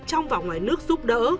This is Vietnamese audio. trong và ngoài nước giúp đỡ